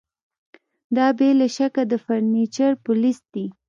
دا بې له شکه د فرنیچر پولیس دي